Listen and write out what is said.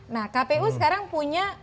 nah kpu sekarang punya